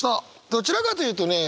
どちらかというとね